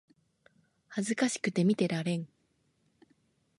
恥ずかしくて見てられん